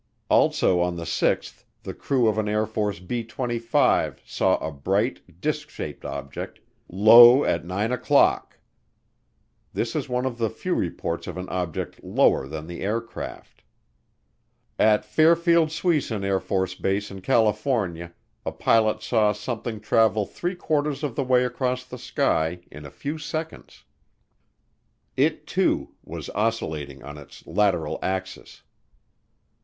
Also on the sixth the crew of an Air Force B 25 saw a bright, disk shaped object "low at nine o'clock." This is one of the few reports of an object lower than the aircraft. At Fairfield Suisun AFB in California a pilot saw something travel three quarters of the way across the sky in a few seconds. It, too, was oscillating on its lateral axis.